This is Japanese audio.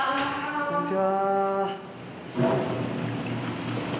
こんにちは。